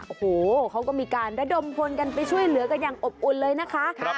โอ้โหเขาก็มีการระดมพลกันไปช่วยเหลือกันอย่างอบอุ่นเลยนะคะ